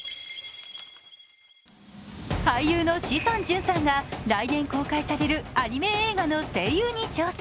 俳優の志尊淳さんが来年公開されるアニメ映画の声優に挑戦。